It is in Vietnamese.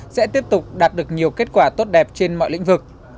sẽ tiếp tục đạt được nhiều kết quả tốt đẹp trên mọi lĩnh vực